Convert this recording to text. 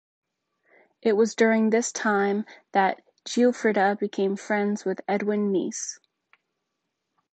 It was during this time that Giuffrida became friends with Edwin Meese.